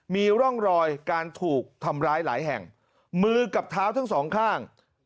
มีร่องรอยการถูกทำร้ายหลายแห่งมือกับเท้าทั้งสองข้าง